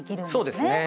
そうですね。